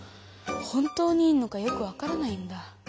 本当にいいのかよく分からないんだ。